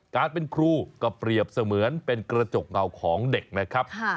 การเป็นครูก็เปรียบเสมือนเป็นกระจกเงาของเด็กนะครับ